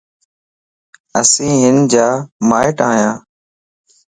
اسين ھنجا ماٽ ايا